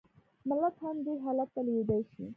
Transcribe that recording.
ملت هم دې حالت ته لوېدای شي.